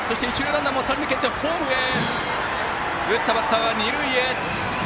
打ったバッターは二塁へ！